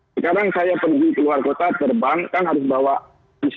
sekarang saya pergi ke luar kota terbang kan harus bawa pci test